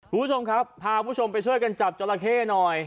คุณผู้ชมครับพาคุณผู้ชมไปช่วยกันจับจราเข้หน่อย